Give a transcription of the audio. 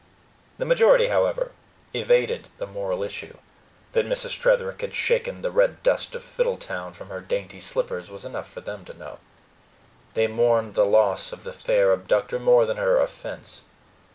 The majority, however, evaded the moral issue; that Mrs. Tretherick had shaken the red dust of Fiddletown from her dainty slippers was enough for them to know. They mourned the loss of the fair abductor more than her offense.